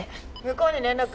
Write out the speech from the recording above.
向こうに連絡。